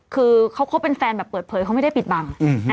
คือเขาคบเป็นแฟนแบบเปิดเผยเขาไม่ได้ปิดบัง